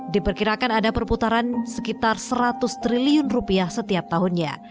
diperkirakan ada perputaran sekitar seratus triliun rupiah setiap tahunnya